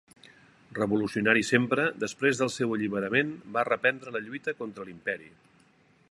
Revolucionari sempre, després del seu alliberament, va reprendre la lluita contra l'imperi.